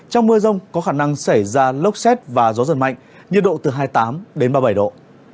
trong mưa rông có khả năng xảy ra lốc xét và gió giật mạnh nhiệt độ từ hai mươi tám đến ba mươi bảy độ